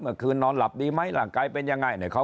เมื่อคืนนอนหลับดีไหมหลังกายเป็นยังไง